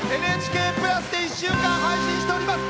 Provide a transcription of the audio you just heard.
「ＮＨＫプラス」で１週間配信しております。